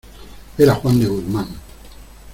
era Juan de Guzmán.